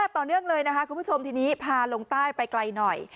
ต่อเนื่องเลยนะคะคุณผู้ชมทีนี้พาลงใต้ไปไกลหน่อย